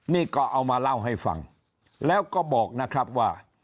นี่ก็เอามาเล่าให้ฟังแล้วก็บอกนะครับว่า